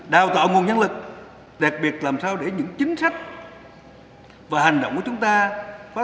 đào tạo nguồn nhân lực đặc biệt làm sao để những chính sách và hành động của chúng ta phát